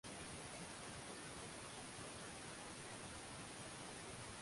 Wamasai pamoja na Wataturu au Wadatooga